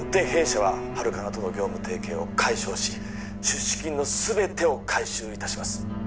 弊社はハルカナとの業務提携を解消し出資金のすべてを回収いたします